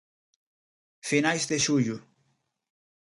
Finais de xullo.